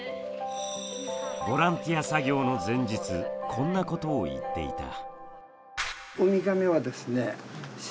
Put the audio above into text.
ボランティア作業の前日こんなことを言っていた。